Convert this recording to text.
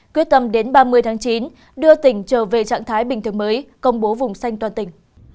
quyết tâm đến ba mươi tháng chín đưa tỉnh trở về trạng thái bình thường mới công bố vùng xanh toàn tỉnh